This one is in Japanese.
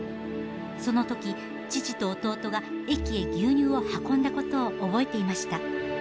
その時父と弟が駅へ牛乳を運んだことを覚えていました。